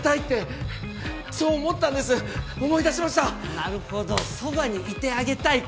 なるほどそばにいてあげたいか。